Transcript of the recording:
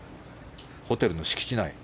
ホテルの敷地内。